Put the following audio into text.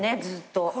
ずっと。